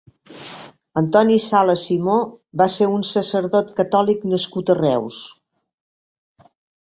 Antoni Salas Simó va ser un sacerdot catòlic nascut a Reus.